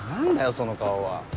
その顔は。